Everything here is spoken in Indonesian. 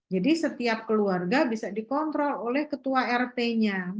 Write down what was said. jadi setiap keluarga bisa dikontrol oleh ketua rt nya